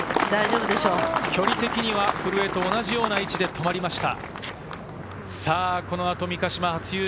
距離的には、古江と同じような位置で止まりました。